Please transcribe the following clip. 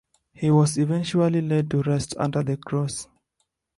He was eventually laid to rest under the cross.